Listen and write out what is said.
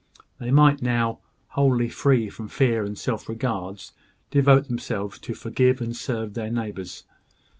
They might now, wholly free from fear and self regards, devote themselves to forgive and serve their neighbours.